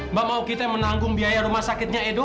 mbak mau kita yang menanggung biaya rumah sakitnya edo